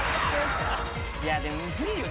でもむずいよね